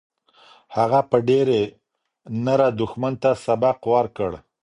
هغه په ډېرې نره دښمن ته سبق ورکړ.